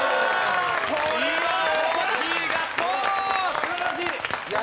素晴らしい！